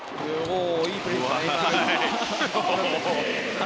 いいプレーでしたね、今。